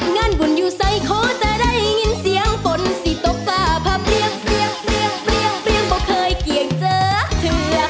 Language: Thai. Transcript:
งานบุญอยู่ใส่โคตรได้ยินเสียงฝนสีตกฝ้าพาเปลี่ยงเปลี่ยงเปลี่ยงเปลี่ยงเปลี่ยงบ่เคยเกียงเจอเธอ